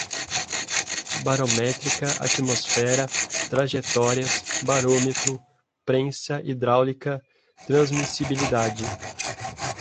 barométrica, atmosfera, trajetórias, barômetro, prensa hidráulica, transmissibilidade